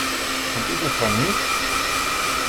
Und ich etwa nicht?